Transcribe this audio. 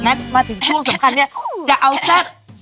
แม่นมาถึงช่วงสำคัญเนี่ย